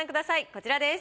こちらです。